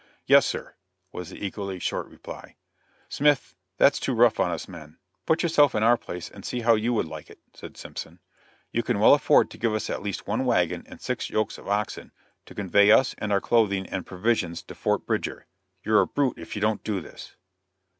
"Yes sir," was the equally short reply. "Smith, that's too rough on us men. Put yourself in our place and see how you would like it," said Simpson; "you can well afford to give us at least one wagon and six yokes of oxen to convey us and our clothing and provisions to Fort Bridger. You're a brute if you don't do this."